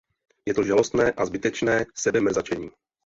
Je to žalostné a zbytečné sebemrzačení.